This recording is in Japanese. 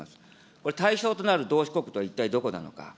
これ、対象となる同志国とは一体どこなのか。